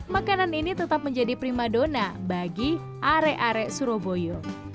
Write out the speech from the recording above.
makanan ini tetap menjadi prima dona bagi are are suroboyo